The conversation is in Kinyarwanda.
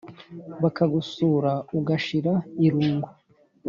Bakagusura ugashira irungu